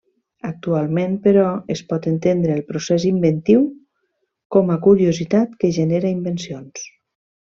Actualment, però, es pot entendre el procés inventiu com a curiositat que genera invencions.